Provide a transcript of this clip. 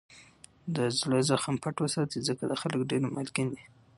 دزړه زخم پټ وساتئ! ځکه دا خلک دېر مالګین دي.